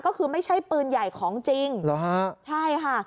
ก็คือไม่ใช่ปืนใหญ่ของจริงเหรอฮะใช่ค่ะ